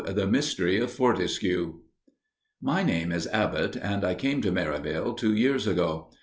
THE MYSTERY OF FORTESCUE My name is Abbott, and I came to Merivale two years ago.